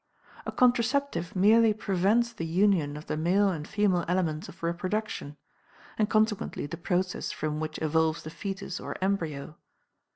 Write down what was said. A "contraceptive" merely prevents the union of the male and female elements of reproduction, and consequently the process from which evolves the foetus or embryo.